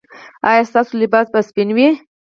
ایا ستاسو لباس به سپین وي؟